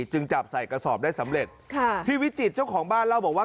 จึงจับใส่กระสอบได้สำเร็จค่ะพี่วิจิตเจ้าของบ้านเล่าบอกว่า